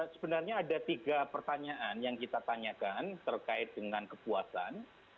sebenarnya ada tiga pertanyaan yang kita tanyakan terkait dengan kepuasan